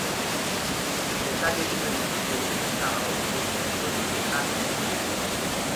Detalle dunha ilustración de "Pescada ao limón" dun dos receitarios recollidos.